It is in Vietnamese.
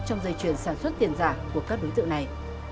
trong dây chuyển sản xuất tiền giả của các đối tượng này